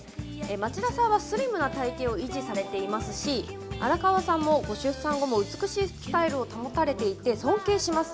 町田さんはスリムな体型を維持されていますし荒川さんもご出産後も美しいスタイルを保たれていて尊敬します。